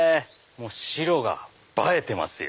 白が映えてますよ。